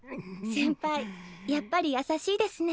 先輩やっぱりやさしいですね。